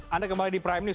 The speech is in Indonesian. anda kembali di prime news